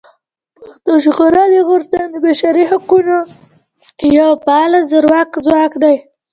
پښتون ژغورني غورځنګ د بشري حقونو يو فعال زورور ځواک دی.